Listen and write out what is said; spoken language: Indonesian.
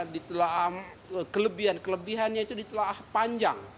ditelah kelebihan kelebihannya itu ditelah panjang